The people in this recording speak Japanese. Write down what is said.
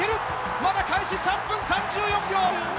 まだ開始３分３４秒。